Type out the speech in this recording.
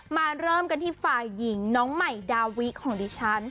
เริ่มกันที่ฝ่ายหญิงน้องใหม่ดาวิของดิฉัน